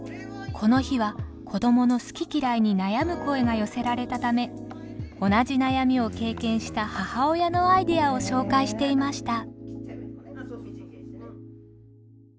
この日は子どもの好き嫌いに悩む声が寄せられたため同じ悩みを経験した母親のアイデアを紹介していました。